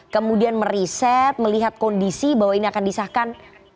kemudian meriset melihat kondisi bahwa ini akan disahkan